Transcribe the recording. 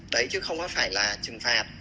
đấy chứ không có phải là trừng phạt